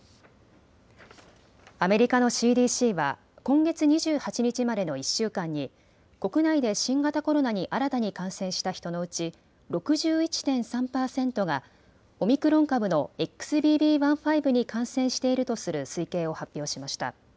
アメリカのＣＤＣは今月２８日までの１週間に国内で新型コロナに新たに感染した人のうち６１．３％がオミクロン株のＸＢＢ．１．５に感染しているとする推計を発表しました。